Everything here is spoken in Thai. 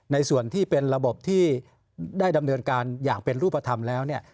ส่วนที่เป็นระบบที่ได้ดำเนินการอย่างเป็นรูปธรรมแล้วเนี่ย